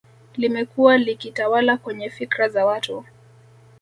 Limekua likitawala kwenye fikra za watu